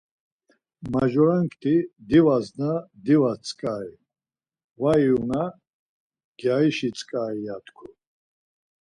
Majurakti, Divasna divas tzǩari, var ivuna gyarişi tzǩari ya tku.